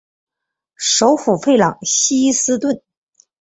首府弗朗西斯敦。